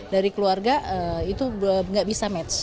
dari keluarga itu nggak bisa match